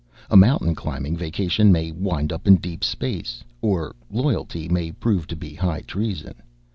A mountain climbing vacation may wind up in deep Space. Or loyalty may prove to be high treason.